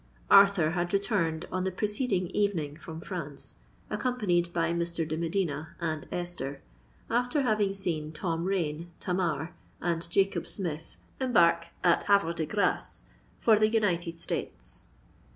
Arthur had returned on the preceding evening from France, accompanied by Mr. de Medina and Esther, after having seen Tom Rain, Tamar, and Jacob Smith embark at Havre de Grace for the United States.